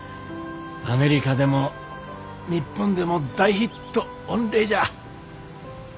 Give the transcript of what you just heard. アメリカでも日本でも大ヒット御礼じゃ。